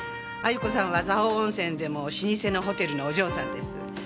亜由子さんは蔵王温泉でも老舗のホテルのお嬢さんです。